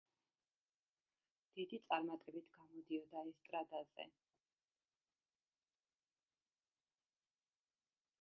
დიდი წარმატებით გამოდიოდა ესტრადაზე.